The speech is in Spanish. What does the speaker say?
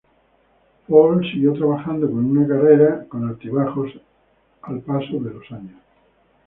Paul siguió trabajando, con una carrera con altibajos al paso de los años.